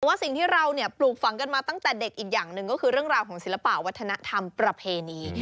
แต่ว่าสิ่งที่เราปลูกฝังกันมาตั้งแต่เด็กอีกอย่างหนึ่งก็คือเรื่องราวของศิลปะวัฒนธรรมประเพณี